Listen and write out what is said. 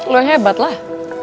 lo yang hebat lah